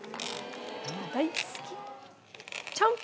大好き。